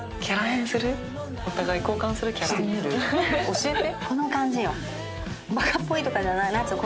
教えて。